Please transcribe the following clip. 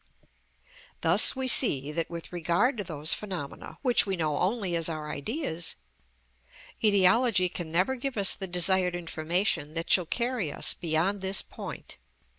Thus we see that, with regard to those phenomena which we know only as our ideas, etiology can never give us the desired information that shall carry us beyond this point.